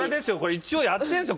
一応やってるんですよ